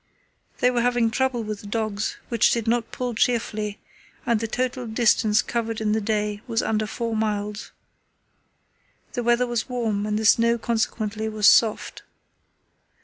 They were having trouble with the dogs, which did not pull cheerfully, and the total distance covered in the day was under four miles. The weather was warm and the snow consequently was soft.